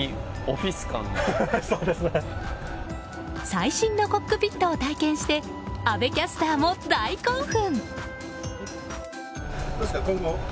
最新のコックピットを体験して阿部キャスターも大興奮！